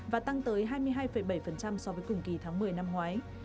và tăng tới hai mươi hai bảy so với cùng kỳ tháng một mươi năm ngoái